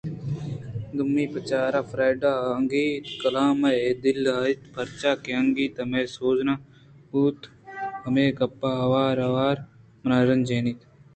دومی بچار فریڈا توانگتءَ کلامءِ دلءَ اِت پرچا کہ انگتءَ مئے سور نہ بوتگ ءُہمے گپ وار وار من رنجینیت